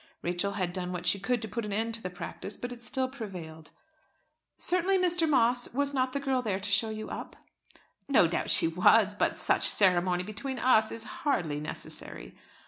Rachel had done what she could do to put an end to the practice, but it still prevailed. "Certainly, Mr. Moss. Was not the girl there to show you up?" "No doubt she was. But such ceremony between us is hardly necessary."